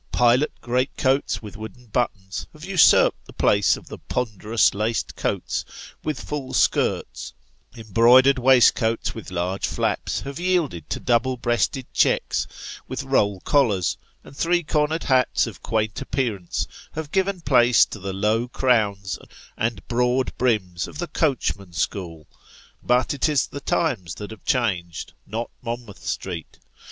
Pilot greatcoats with wooden buttons, have usurped the place of the ponderous laced coats with full skirts ; embroidered waistcoats with large flaps, have yielded to double breasted checks with roll collars ; and three cornered hats of quaint appearance, have given place to the low crowns and broad brims of the coachman school ; but it is the times that have changed, not Monmouth Street.